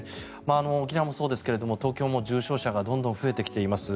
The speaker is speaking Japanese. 沖縄もそうですが東京もどんどん増えてきています。